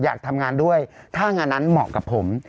อยากทำงานด้วยถ้างานนั้นเหมาะกับผม